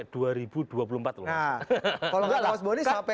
kalau enggak mas boni sampai